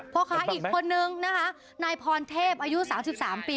พ่อค้าอีกคนนึงนะคะนายพรเทพอายุ๓๓ปี